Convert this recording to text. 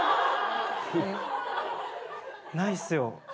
ないっすよ